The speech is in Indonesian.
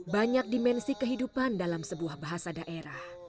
banyak dimensi kehidupan dalam sebuah bahasa daerah